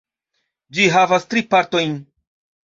Ĝi havas tri partojn.